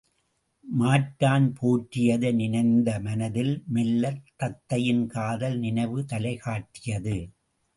மாற்றான் போற்றியதை நினைந்த மனத்தில் மெல்லத் தத்தையின் காதல் நினைவு தலைகாட்டியது.